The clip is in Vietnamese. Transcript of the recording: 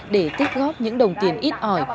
để tích góp những đồng tiền ít ỏi